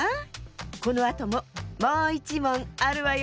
このあとももういちもんあるわよ。